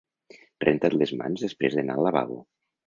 Renta't les mans després d'anar al lavabo.